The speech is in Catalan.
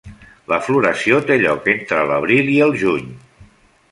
La floració té lloc entre l'abril i el juny.